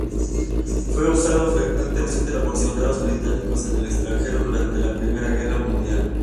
Fue usado frecuentemente por soldados británicos en el extranjero durante la Primera Guerra Mundial.